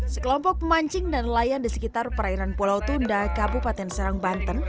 sekelompok pemancing dan nelayan di sekitar perairan pulau tunda kabupaten serang banten